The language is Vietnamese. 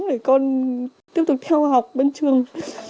để con tiếp tục theo học bên trường